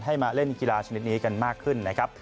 มาเล่นกีฬาชนิดนี้กันมากขึ้นนะครับ